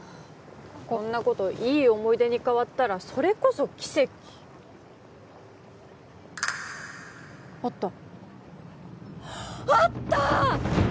こんなこといい思い出に変わったらそれこそ奇跡あったあったー！